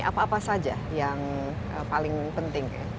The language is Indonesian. apa apa saja yang paling penting